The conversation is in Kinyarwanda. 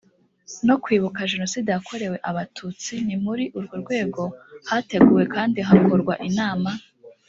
no kwibuka jenoside yakorewe abatutsi ni muri urwo rwego hateguwe kandi hakorwa inama